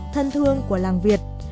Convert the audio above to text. thân thương của làng việt